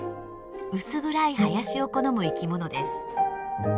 薄暗い林を好む生きものです。